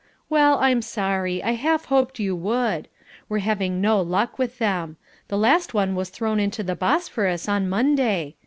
Well, I'm sorry. I half hoped you would. We're having no luck with them. The last one was thrown into the Bosphorous on Monday.